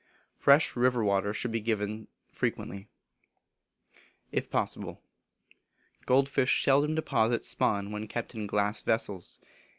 Fresh river water should be given them frequently, if possible. Gold fish seldom deposit spawn when kept in glass vessels.